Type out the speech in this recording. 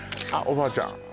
あっおばあちゃん